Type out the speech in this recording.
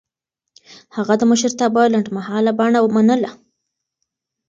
هغه د مشرتابه لنډمهاله بڼه منله.